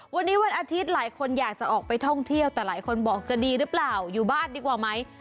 วันนี้วันอาทิตย์หลายคนอยากจะออกไปท่องเที่ยวแต่หลายคนบอกจะดีหรือเปล่าอยู่บ้านดีกว่าไหม